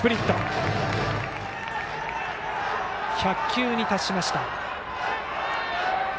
１００球に達しました。